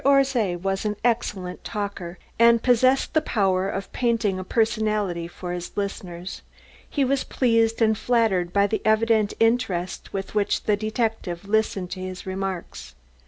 Orszay was an excellent talker and possessed the power of painting a personality for his listeners. He was pleased and flattered by the evident interest with which the detective listened to his remarks.